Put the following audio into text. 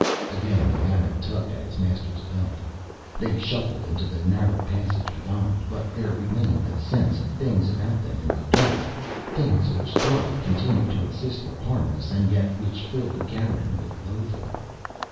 Again the Ana tugged at its master's belt. They shuffled into the narrow passage beyond. But there remained the sense of things about them in the dark, things which Thrala continued to insist were harmless and yet which filled Garin with loathing.